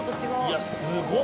いやすごっ！